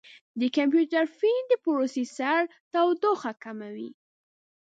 د کمپیوټر فین د پروسیسر تودوخه کموي.